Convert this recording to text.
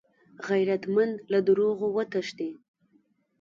غیرتمند له دروغو وتښتي